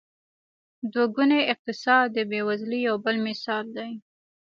دوه ګونی اقتصاد د بېوزلۍ یو بل مثال دی.